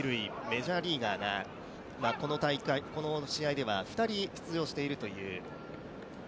メジャーリーガーがこの試合では２人出場しているという。